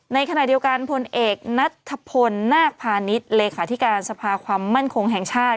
ในขณะเดียวกันพลเอกนัทธพลนาคพาณิชย์เลขาธิการสภาความมั่นคงแห่งชาติ